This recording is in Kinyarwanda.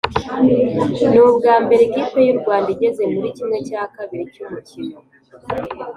Nubwambere ikipe yurwanda igeze murikimwe cyakabiri cyumukino